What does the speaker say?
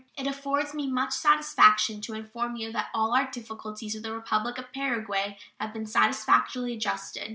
It affords me much satisfaction to inform you that all our difficulties with the Republic of Paraguay have been satisfactorily adjusted.